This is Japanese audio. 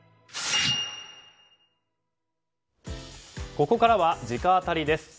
ここからは直アタリです。